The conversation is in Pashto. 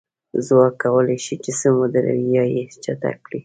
ځواک کولی شي جسم ودروي یا یې چټک کړي.